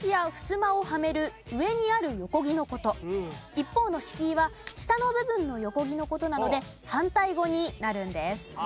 一方の敷居は下の部分の横木の事なので反対語になるんです。